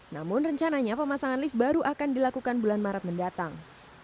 namun rencananya pemasangan lift baru akan dilakukan bulan maret mendatang